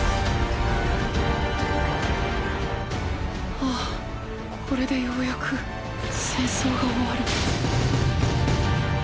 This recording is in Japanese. ああこれでようやく戦争が終わる。